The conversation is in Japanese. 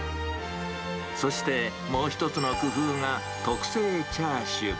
そしてもう一つの工夫が、特製チャーシュー。